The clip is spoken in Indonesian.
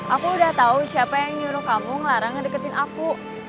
aku udah tahu siapa yang nyuruh kamu ngelarangan deketin aku